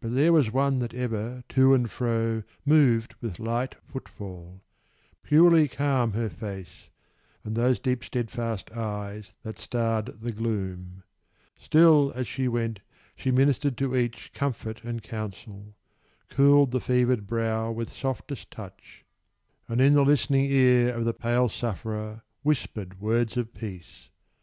But there was one that ever, to and fro, Moved with light footfall: purely calm her face, And those deep steadfast eyes that starred the gloom: Still, as she went, she ministered to each Comfort and counsel; cooled the fevered brow With softest touch, and in the listening ear Of the pale sufferer whispered words of peace.